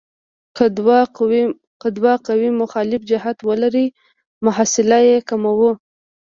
که دوه قوې مخالف جهت ولري محصله یې کموو.